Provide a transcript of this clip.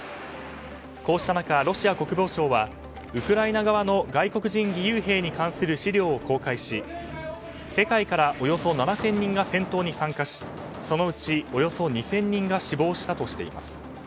こうした中、ロシア国防省はウクライナ側の外国人義勇兵に関する資料を公開し世界からおよそ７０００人が戦闘に参加しそのうちおよそ２０００人が死亡したとしています。